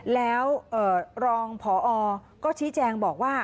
แล้วรองพอก็ชี้แจงบอกว่า